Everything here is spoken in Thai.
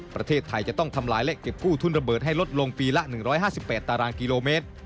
ประเทศไทยจะต้องทำลายและเก็บกู้ทุนระเบิดให้ลดลงปีละ๑๕๘ตารางกิโลเมตร